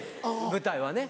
舞台はな。